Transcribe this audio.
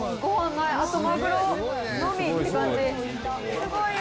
すごいよ！